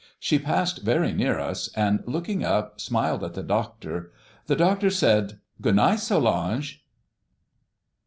She passed very near us, and looking up, smiled at the doctor. The doctor said, "Good night, Solange!"